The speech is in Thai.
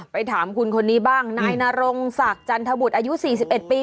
ถามคุณคนนี้บ้างนายนรงศักดิ์จันทบุตรอายุ๔๑ปี